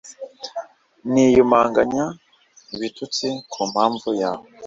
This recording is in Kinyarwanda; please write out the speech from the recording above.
niyumanganya ibitutsi, ku mpamvu yawe